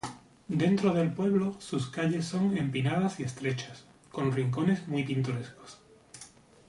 Dentro del pueblo sus calles son empinadas y estrechas, con rincones muy pintorescos.